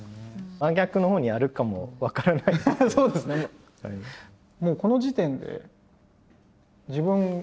真逆のほうにあるかも分からないですけど。